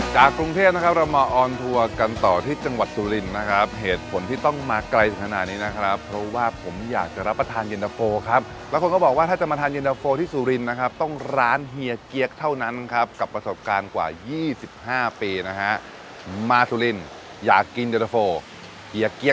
จากกรุงเทพนะครับเรามาออนทัวร์กันต่อที่จังหวัดสุรินนะครับเหตุผลที่ต้องมาไกลถึงขนาดนี้นะครับเพราะว่าผมอยากจะรับประทานเย็นตะโฟครับแล้วคนก็บอกว่าถ้าจะมาทานเย็นตะโฟที่สุรินนะครับต้องร้านเฮียเจี๊ยกเท่านั้นครับกับประสบการณ์กว่า๒๕ปีนะฮะมาสุรินอยากกินเย็น